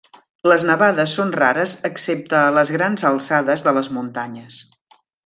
Les nevades són rares excepte a les grans alçades de les muntanyes.